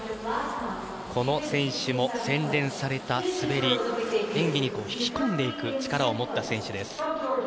この選手も洗練された滑り演技に引き込んでいく力を持った選手です。